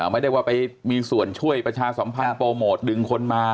ไม่ได้ว่าไปมีส่วนช่วยประชาสัมพันธ์โปรโมทดึงคนมา